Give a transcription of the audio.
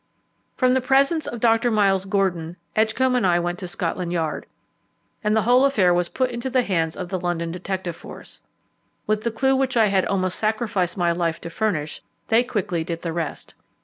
From the presence of Dr. Miles Gordon, Edgcombe and I went to Scotland Yard, and the whole affair was put into the hands of the London detective force. With the clue which I had almost sacrificed my life to furnish, they quickly did the rest.